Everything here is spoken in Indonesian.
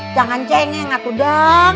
jangan cengeng aku dong